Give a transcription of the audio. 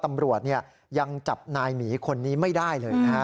ตำรวจยังจับนายหมีคนนี้ไม่ได้เลยนะฮะ